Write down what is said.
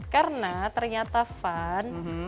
karena ternyata van